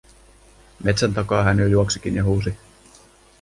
Metsän takaa hän jo juoksikin ja huusi: